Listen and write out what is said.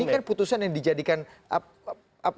ini kan putusan yang dijadikan